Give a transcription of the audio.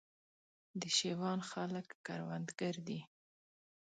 د شېوان خلک کروندګر دي